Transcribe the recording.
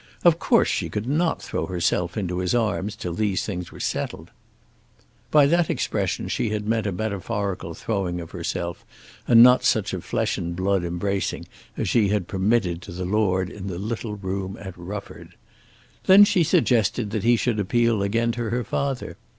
Of course she could not throw herself into his arms till these things were settled." By that expression she had meant a metaphorical throwing of herself, and not such a flesh and blood embracing as she had permitted to the lord in the little room at Rufford. Then she suggested that he should appeal again to her father.